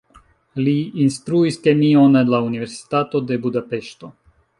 Li instruis kemion en la universitato de Budapeŝto.